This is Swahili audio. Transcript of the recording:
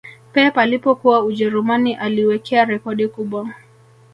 pep alipokuwa ujerumani aliwekea rekodi kubwa